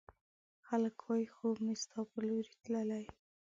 خلګ وايي، خوب مې ستا په لورې تللی